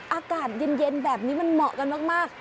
อากาศเย็นแบบนี้มันเหมาะกันมาก